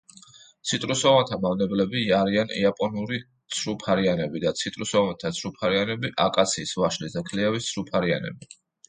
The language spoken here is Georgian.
ციტრუსოვანთა მავნებლები არიან იაპონური ცრუფარიანები და ციტრუსოვანთა ცრუფარიანები, აკაციის, ვაშლის და ქლიავის ცრუფარიანები.